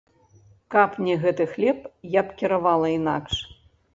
Каб не гэты хлеб, я б кіравала інакш.